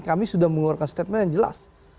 kami sudah mengeluarkan statement yang jelas